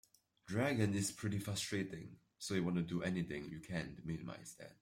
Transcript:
Dragon is pretty frustrating, so you want to do everything you can to minimize that.